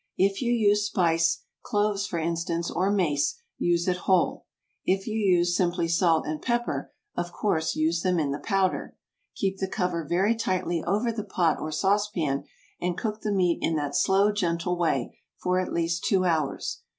If you use spice, cloves for instance, or mace, use it whole. If you use simply salt and pepper, of course use them in the powder. Keep the cover very tightly over the pot or sauce pan, and cook the meat in that slow, gentle way, for at least two hours.